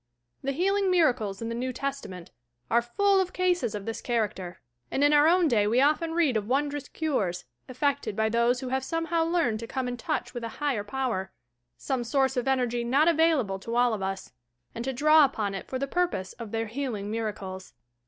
The healing miracles in the New Testament are full of casea of this character; and in our own day we often read of won drous cures, effected by those who have somehow learned to come in touch with a Higher Power, — some source of enei^ not available lo all of lis.— and to draw upon it for the purposes of their "healing miracles."